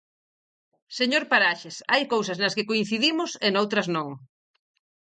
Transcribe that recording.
Señor Paraxes, hai cousas nas que coincidimos e noutras non.